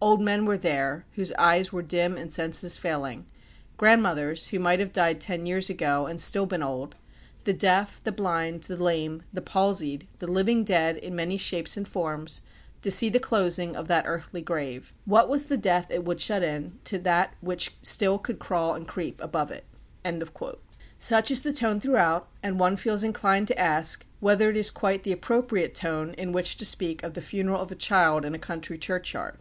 Old men were there, whose eyes were dim and senses failing grandmothers, who might have died ten years ago, and still been old, the deaf, the blind, the lame, the palsied, the living dead in many shapes and forms, to see the closing of that earthly grave. What was the death it would shut in, to that which still could crawl and creep above it?" Such is the tone throughout, and one feels inclined to ask whether it is quite the appropriate tone in which to speak of the funeral of a child in a country churchyard?